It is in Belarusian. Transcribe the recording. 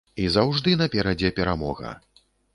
І заўжды наперадзе перамога.